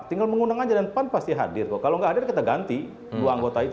tinggal mengundang aja dan pan pasti hadir kok kalau nggak hadir kita ganti dua anggota itu